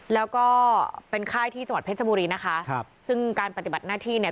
แล้วก็เป็นค่ายที่จังหวัดเพชรบุรีนะคะครับซึ่งการปฏิบัติหน้าที่เนี่ย